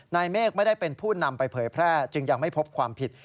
เมฆไม่ได้เป็นผู้นำไปเผยแพร่จึงยังไม่พบความผิด